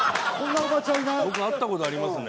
僕会ったことありますね